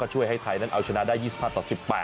ช่วยให้ไทยนั้นเอาชนะได้๒๕ต่อ๑๘